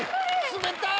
冷たい！